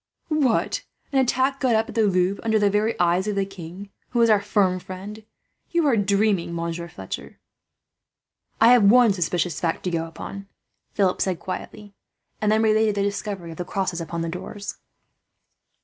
"What! An attack got up at the Louvre, under the very eyes of the king, who is our firm friend? You are dreaming, Monsieur Fletcher." "I have one suspicious fact to go upon," Philip said quietly, and then related the discovery of the crosses upon the doors.